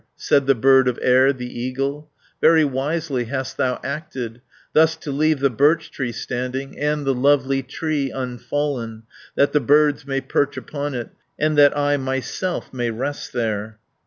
Said the bird of air, the eagle, "Very wisely hast thou acted, Thus to leave the birch tree standing And the lovely tree unfallen, That the birds may perch upon it, And that I myself may rest there."